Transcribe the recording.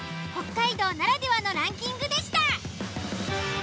北海道ならではのランキングでした！